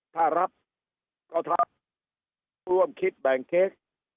ถ้ารับก็ถ้าร่วมคิดแบ่งเค้ก